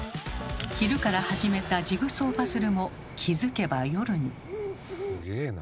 昼から始めたジグソーパズルも気付けば夜に。